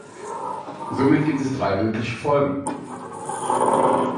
Somit gibt es drei mögliche Folgen.